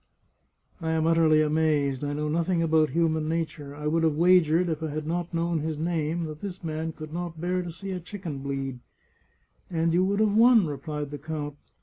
" I am utterly amazed ! I know nothing about human nature. I would have wagered, if I had not known his name, that this man could not bear to see a chicken bleed." " And you would have won," replied the count.